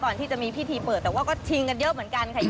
ก่อนที่จะมีพิธีเปิดแต่ว่าก็ชิงกันเยอะเหมือนกันค่ะ